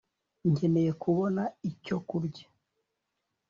nkeneye kubona icyo kurya